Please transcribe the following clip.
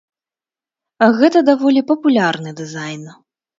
Гэта даволі папулярны дызайн.